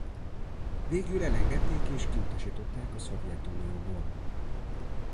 Végül elengedték és kiutasították a Szovjetunióból.